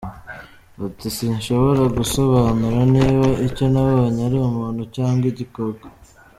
Bati "Sinshobora gusobanura niba icyo nabonye ari umuntu cyangwa igikoko.